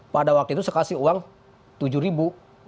pada waktu itu saya kasih uang tujuh ribu